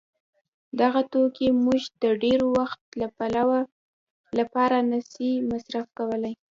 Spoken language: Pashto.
دغه توکي موږ د ډېر وخت له پاره نه سي مصروف کولای.